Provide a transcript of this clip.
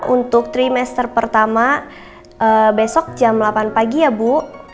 untuk trimester pertama besok jam delapan pagi ya bu